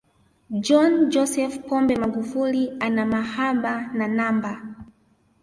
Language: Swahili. John Joseph Pombe Magufuli ana mahaba na namba